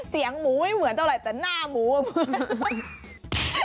เสียงหมูไม่เหมือนเท่าไหร่แต่หน้าหมูอ่ะมึง